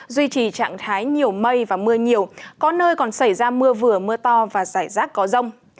duy trì trạng thái nhiều mây và mưa nhiều có nơi còn xảy ra mưa vừa mưa to và rải rác có rông